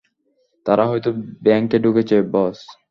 তারা হয়তো ব্যাংকে ঢুকেছে, বস।